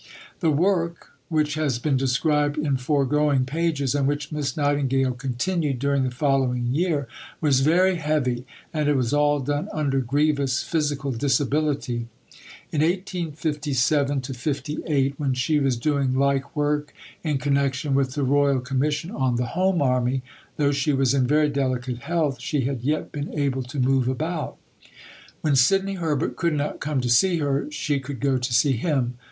The work, which has been described in foregoing pages and which Miss Nightingale continued during the following year, was very heavy, and it was all done under grievous physical disability. In 1857 58, when she was doing like work in connection with the Royal Commission on the Home Army, though she was in very delicate health, she had yet been able to move about. When Sidney Herbert could not come to see her, she could go to see him.